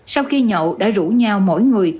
sau khi nhậu đã rủ nhau mỗi người